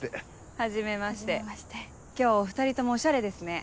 はじめまして今日お２人ともおしゃれですね。